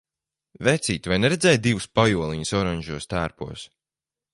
Vecīt, vai neredzēji divus pajoliņus oranžos tērpos?